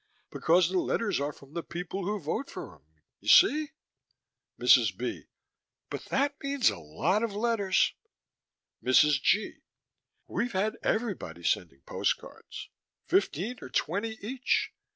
Because the letters are from the people who vote for him, you see? MRS. B.: But that means a lot of letters. MRS. G.: We've had everybody sending postcards. Fifteen or twenty each.